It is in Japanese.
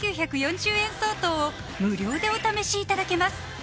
５９４０円相当を無料でお試しいただけます